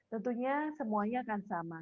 tentunya semuanya akan sama